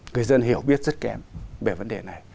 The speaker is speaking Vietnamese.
người dân hiểu biết rất kém về vấn đề này